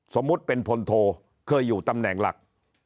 สมมุติเป็นพลโทเคยอยู่ตำแหน่งหลัก